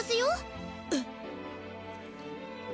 えっ。